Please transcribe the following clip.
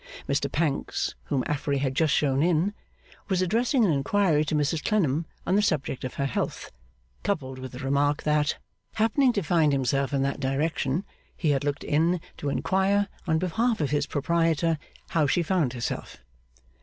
Mr Pancks, whom Affery had just shown in, was addressing an inquiry to Mrs Clennam on the subject of her health, coupled with the remark that, 'happening to find himself in that direction,' he had looked in to inquire, on behalf of his proprietor, how she found herself.